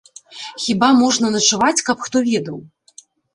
Хіба можна начаваць, каб хто ведаў!